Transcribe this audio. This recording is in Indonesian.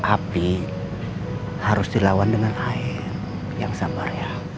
api harus dilawan dengan air yang sabar ya